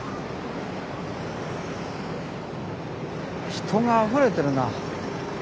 人があふれてるな。